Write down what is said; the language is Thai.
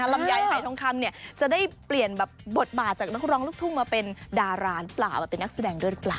ลำไยหายทองคำเนี่ยจะได้เปลี่ยนแบบบทบาทจากนักร้องลูกทุ่งมาเป็นดาราเปล่ามาเป็นนักแสดงด้วยหรือเปล่า